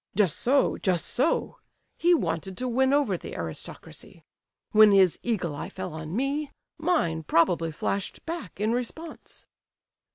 "Just so! just so! He wanted to win over the aristocracy! When his eagle eye fell on me, mine probably flashed back in response.